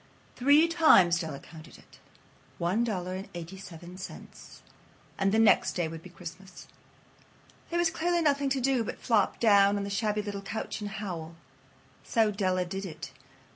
Three times Della counted it. One dollar and eighty seven cents. And the next day would be Christmas. There was clearly nothing to do but flop down on the shabby little couch and howl. So Della did it.